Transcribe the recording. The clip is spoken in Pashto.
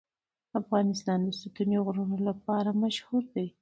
افغانستان د ستوني غرونه لپاره مشهور دی.